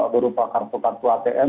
berupa kartu kartu atm